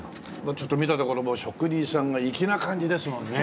ちょっと見たところもう職人さんが粋な感じですもんね。